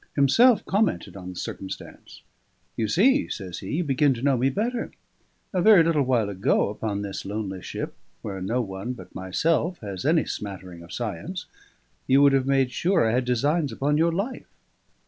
Himself commented on the circumstance. "You see," says he, "you begin to know me better. A very little while ago, upon this lonely ship, where no one but myself has any smattering of science, you would have made sure I had designs upon your life.